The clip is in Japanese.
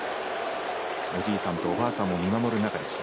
おじいさんとおばあさんも見守る中でした。